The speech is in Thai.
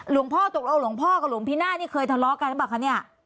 หลวงพ่อตกลงหลวงพ่อกับหลวงพินาทเคยทะเลาะกันหรือเปล่า